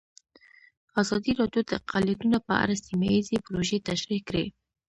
ازادي راډیو د اقلیتونه په اړه سیمه ییزې پروژې تشریح کړې.